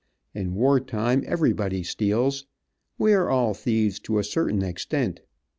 In war times, everybody steals. We are all thieves to a certain extent.